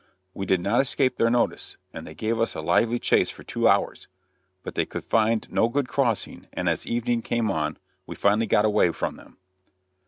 We did not escape their notice, and they gave us a lively chase for two hours, but they could find no good crossing, and as evening came on we finally got away from them.